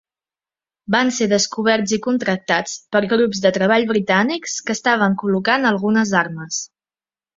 Van ser descoberts i contractats per grups de treball britànics que estaven col·locant algunes armes.